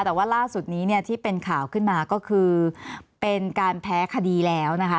แต่ว่าล่าสุดนี้เนี่ยที่เป็นข่าวขึ้นมาก็คือเป็นการแพ้คดีแล้วนะคะ